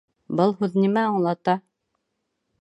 Был һүҙ нимә аңлата?